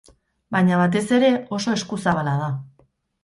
Baina, batez ere, oso eskuzabala da.